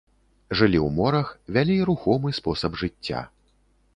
Жылі ў морах, вялі рухомы спосаб жыцця.